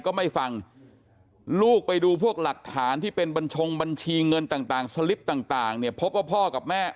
ก็ไม่ฟังลูกไปดูพวกหลักฐานที่เป็นบัญชงบัญชีเงินต่างสลิปต่างเนี่ยพบว่าพ่อกับแม่